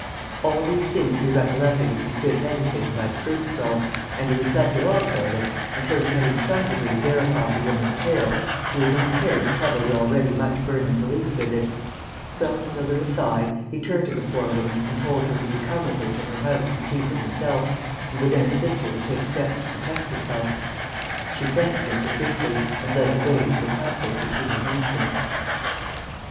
All these things he recollected as he stood hesitating by the fruit stall, and he reflected also that, until he had in some degree verified the woman's tale, he would not care to trouble the already much burdened police with it; so, with a little sigh, he turned to the poor woman and told her he would come with her to her house and see for himself, and would then assist her to take steps to protect herself. She thanked him profusely, and led the way to the passage which she had mentioned.